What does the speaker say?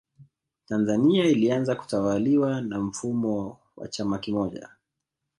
Tanzania ilianza kutawaliwa na mfumo wa chama kimoja